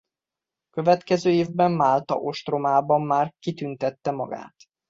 Következő évben Málta ostromában már kitüntette magát.